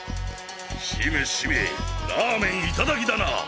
しめしめラーメン頂きだな！